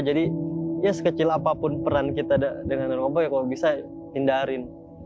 jadi ya sekecil apapun peran kita dengan narkoba kalau bisa hindarin